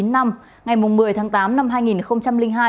ngày một mươi tháng tám năm hai nghìn sáu